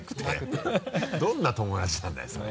どんな友達なんだよそれ。